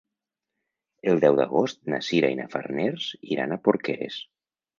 El deu d'agost na Sira i na Farners iran a Porqueres.